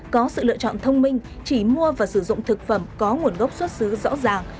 có sự lựa chọn thông minh chỉ mua và sử dụng thực phẩm có nguồn gốc xuất xứ rõ ràng